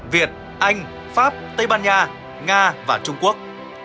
việt anh pháp tây ban nha nga và trung quốc